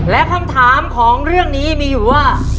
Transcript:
และคำถามของเรื่องนี้มีอยู่ว่า